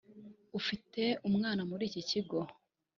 ufite umwana muri iki kigo